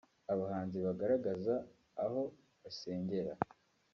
abahanzi bagaragaza aho basengera